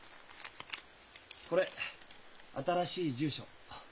これ新しい住所。